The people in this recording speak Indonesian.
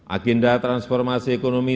agenda transformasi ekonomi